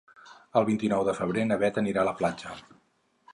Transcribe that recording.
El vint-i-nou de febrer na Bet anirà a la platja.